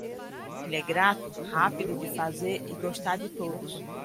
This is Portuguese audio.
Ele é grato, rápido de fazer e gostar de todos.